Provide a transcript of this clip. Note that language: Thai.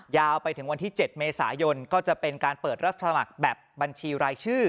ยาวไปถึงวันที่๗เมษายนก็จะเป็นการเปิดรับสมัครแบบบัญชีรายชื่อ